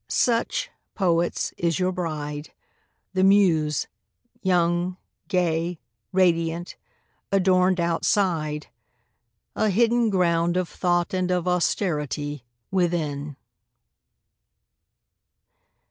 Such, poets, is your bride, the Muse! young, gay, Radiant, adorned outside; a hidden ground Of thought and of austerity within.